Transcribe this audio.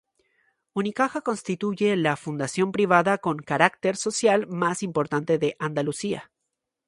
Unicaja constituye la fundación privada con carácter social más importante de Andalucía.